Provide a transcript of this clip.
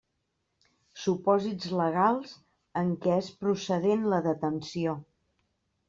Supòsits legals en què és procedent la detenció.